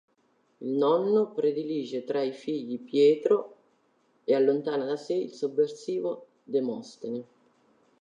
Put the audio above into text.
Il nonno predilige tra i figli Pietro e allontana da sé il sovversivo Demostene.